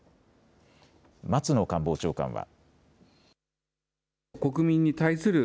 松野官房長官は。